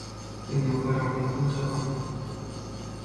«Senden karar tapar jahan…»